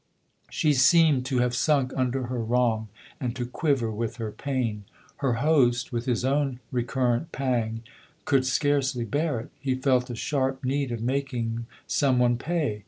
She seemed to have sunk under her wrong and to quiver with her pain. Her host, with his own re current pang, could scarcely bear it : he felt a sharp need of making some one pay.